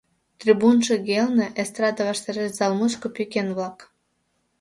Трибун шеҥгелне, эстраде ваштареш зал мучко — пӱкен-влак.